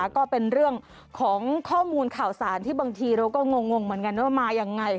ก็เป็นเรื่องของข้อมูลข่าวสารที่บางทีเราก็งงเหมือนกันว่ามายังไง